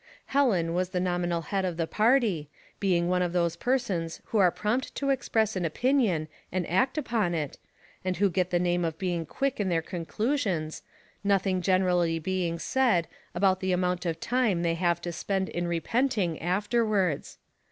Helen was the nominal head of the party, being one of those persons who are prompt to express an opinion and act upon it, and who get the name of being quick in their conclusions, noth ing generally being said about the amount of time they have to spend in repenting afterwards.